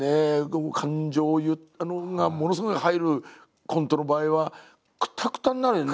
感情がものすごい入るコントの場合はくたくたになるよね？